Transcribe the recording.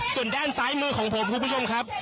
ส่วนด้านซ้ายมือของผมคุณผู้ชมครับ